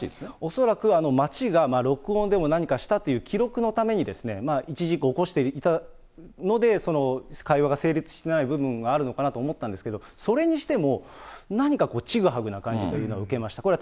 恐らく町が録音でも何かしたという記録のために、一字一句起こしていただいたので、会話が成立してない部分があるのかなと思ったんですけど、それにしても、何かちぐはぐな感じというのは受けました。